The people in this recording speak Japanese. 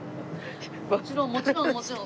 もちろんもちろんもちろん！